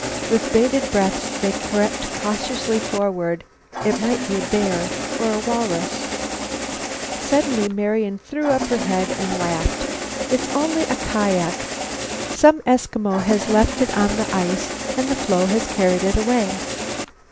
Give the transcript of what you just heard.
With bated breaths they crept cautiously forward; it might be a white bear or walrus. Suddenly Marian threw up her head and laughed. "It's only a kiak. Some Eskimo has left it on the ice and the floe has carried it away."